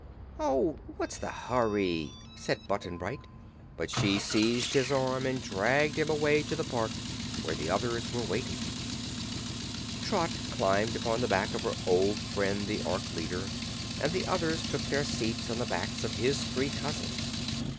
"Oh, what's the hurry?" said Button Bright; but she seized his arm and dragged him away to the park, where the others were waiting. Trot climbed upon the back of her old friend, the Ork leader, and the others took their seats on the backs of his three cousins.